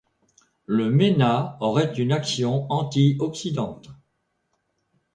Le mesna aurait une action antioxydante.